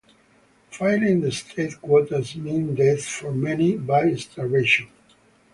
Filling the state quotas meant death for many by starvation.